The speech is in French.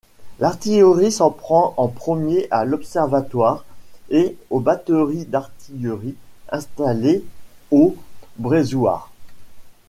L'artillerie s'en prend en premier à l'observatoire et aux batteries d'artilleries installées au Brézouard.